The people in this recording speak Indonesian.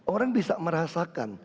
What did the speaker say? orang bisa merasakan